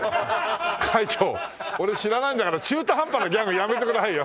会長俺知らないんだから中途半端なギャグやめてくださいよ。